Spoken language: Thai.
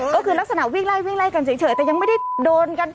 ก็คือลักษณะวิ่งไล่วิ่งไล่กันเฉยแต่ยังไม่ได้โดนกัน